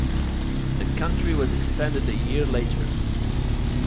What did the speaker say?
The county was expanded a year later.